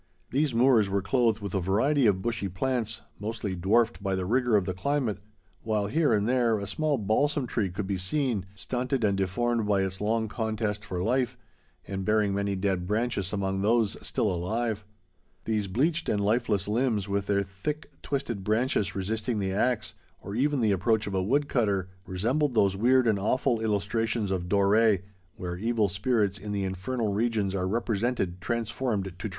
These moors were clothed with a variety of bushy plants, mostly dwarfed by the rigor of the climate, while here and there a small balsam tree could be seen, stunted and deformed by its long contest for life, and bearing many dead branches among those still alive. These bleached and lifeless limbs, with their thick, twisted branches resisting the axe, or even the approach of a wood cutter, resembled those weird and awful illustrations of Doré, where evil spirits in the infernal regions are represented transformed to trees.